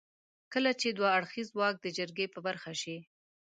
کله چې دوه اړخيز واک د جرګې په برخه شي.